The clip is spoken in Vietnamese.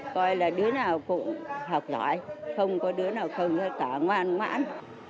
coi là đứa nào cũng học giỏi không có đứa nào không có cả ngoan ngoãn